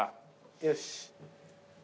よし。